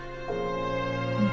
うん。